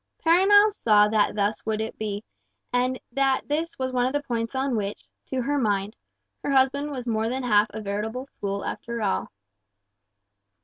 Perronel saw that thus it would be, and that this was one of the points on which, to her mind, her husband was more than half a veritable fool after all.